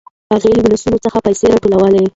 هغه له ولسونو څخه پيسې راټولولې.